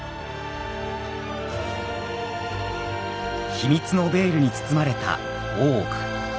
秘密のベールに包まれた大奥。